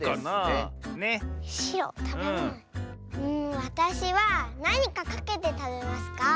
わたしはなにかかけてたべますか？